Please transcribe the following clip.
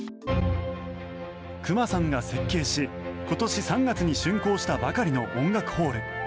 隈さんが設計し今年３月にしゅん工したばかりの音楽ホール。